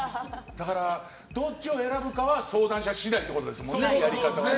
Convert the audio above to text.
だからどっちを選ぶかは相談者次第ってことですもんね。